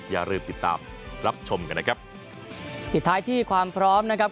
อย่าลืมติดตามรับชมกันนะครับปิดท้ายที่ความพร้อมนะครับ